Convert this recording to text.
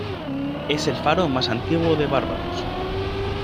Es el faro más antiguo de Barbados.